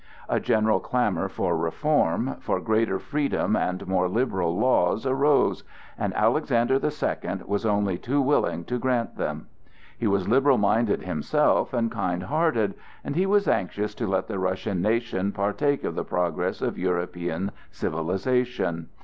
A general clamor for reform, for greater freedom and more liberal laws arose, and Alexander the Second was only too willing to grant them. He was liberal minded himself and kind hearted, and he was anxious to let the Russian nation partake of the progress of European civilization.